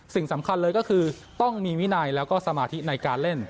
สิ่งสำคัญเลยก็คือต้องมีวินัยแล้วก็สมาธิในการเล่น